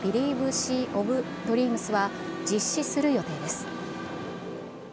シー・オブ・ドリームスは実施する予定です。